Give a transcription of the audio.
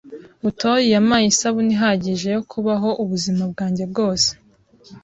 Butoyi yampaye isabune ihagije yo kubaho ubuzima bwanjye bwose.